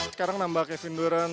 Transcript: sekarang nambah kevin durant